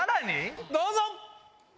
どうぞ！